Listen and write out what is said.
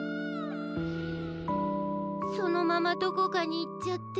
そのままどこかにいっちゃって。